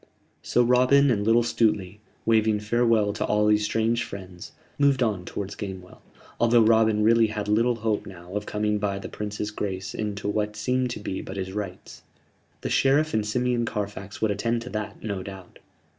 So Robin and little Stuteley, waving farewell to all these strange friends, moved on towards Gamewell, although Robin really had little hope now of coming by the Prince's grace into what seemed to be but his rights. The Sheriff and Simeon Carfax would attend to that, no doubt.